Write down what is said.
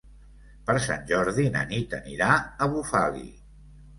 Per Sant Jordi na Nit anirà a Bufali.